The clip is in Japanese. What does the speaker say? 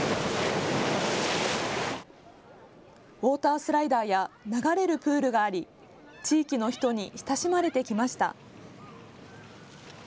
ウォータースライダーや流れるプールがあり地域の人に親しまれてきました。